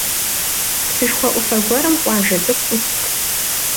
Псышхуэ Ӏуфэ гуэрым къуажэ цӀыкӀу Ӏуст.